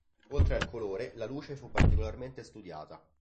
Oltre al colore, la luce fu particolarmente studiata.